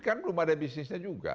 kan belum ada bisnisnya juga